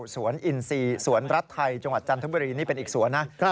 สวนอินซีสวนรัฐไทยจังหวัดจันทบุรีนี่เป็นอีกสวนนะ